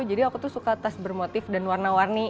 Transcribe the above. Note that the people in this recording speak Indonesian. jadi aku tuh suka tas bermotif dan warna warni